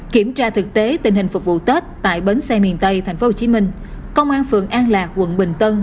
kiểm tra thực tế tình hình phục vụ tết tại bến xe miền tây tp hcm công an phường an lạc quận bình tân